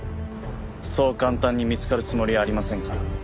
そう簡単に見つかるつもりはありませんから。